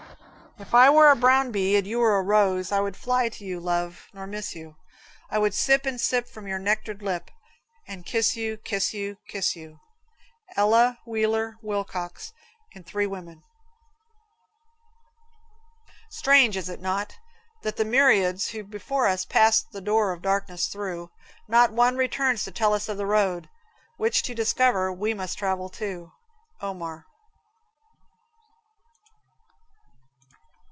If I were a brown bee and you were a rose, I would fly to you, love, nor miss you; I would sip and sip from your nectared lip, And kiss you kiss you kiss you. Ella Wheeler Wilcox, in Three Women. Strange is it not? that of the myriads who Before us passed the door of darkness through, Not one returns to tell us of the road, Which to discover, we must travel too? Omar.